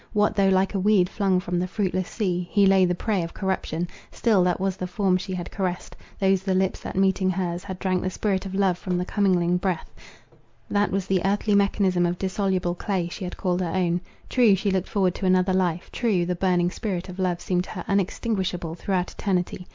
What though like a weed flung from the fruitless sea, he lay the prey of corruption— still that was the form she had caressed, those the lips that meeting hers, had drank the spirit of love from the commingling breath; that was the earthly mechanism of dissoluble clay she had called her own. True, she looked forward to another life; true, the burning spirit of love seemed to her unextinguishable throughout eternity.